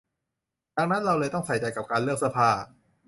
ดังนั้นเราเลยต้องใส่ใจกับการเลือกเสื้อผ้า